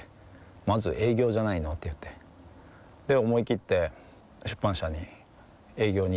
「まず営業じゃないの」って言われて思いきって出版社に営業に行ったんですよ。